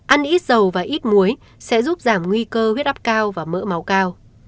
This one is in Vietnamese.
ăn ít dầu và ít muối sẽ giúp giảm nguy cơ huyết áp cao và mỡ máu cao